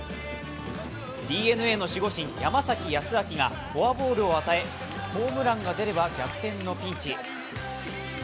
ＤｅＮＡの守護神・山崎康晃がフォアボールを与えホームランが出れば逆転のピンチ。